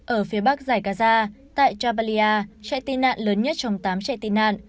ở phía bắc zagaza tại jabalia trại tị nạn lớn nhất trong tám trại tị nạn